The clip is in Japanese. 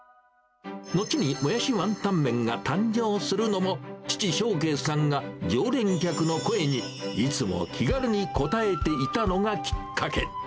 後にもやしワンタン麺が誕生するのも、父、章圭さんが常連客の声に、いつも気軽に応えていたのがきっかけ。